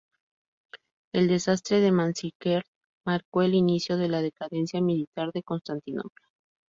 El desastre de Manzikert marcó el inicio de la decadencia militar de Constantinopla.